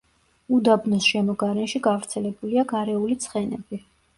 უდაბნოს შემოგარენში გავრცელებულია გარეული ცხენები.